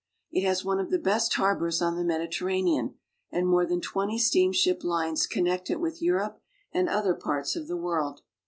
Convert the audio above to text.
It has one of the best harbors on the Mediterra nean, and more than twenty steamship lines connect it with Europe and other parts of the world.